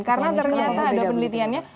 karena ternyata ada penelitiannya